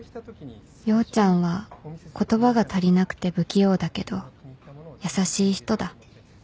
陽ちゃんは言葉が足りなくて不器用だけど優しい人だ